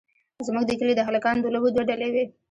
زموږ د کلي د هلکانو د لوبو دوه ډلې وې.